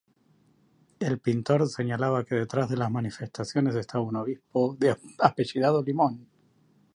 El pintor señalaba que detrás de las manifestaciones estaba un obispo apellidado Limón.